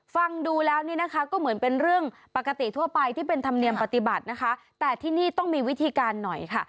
ฟังดูแล้วนี่นะคะก็เหมือนเป็นเรื่องปกติทั่วไปที่เป็นธรรมเนียมปฏิบัตินะคะแต่ที่นี่ต้องมีวิธีการหน่อยค่ะ